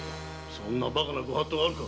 そんなバカな御法度があるか！